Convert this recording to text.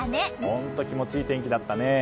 本当に気持ちいい天気だったね。